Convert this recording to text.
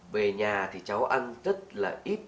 về nhà thì cháu ăn rất là ít